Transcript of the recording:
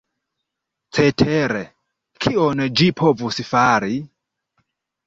Cetere, kion ĝi povus fari?